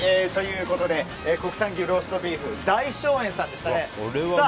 国産牛ローストビーフ大翔園さんでした。